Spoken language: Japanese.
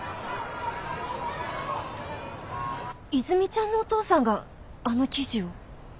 和泉ちゃんのお父さんがあの記事を？